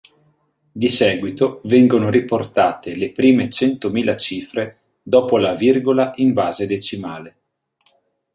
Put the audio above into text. Di seguito vengono riportate le prime centomila cifre dopo la virgola in base decimale.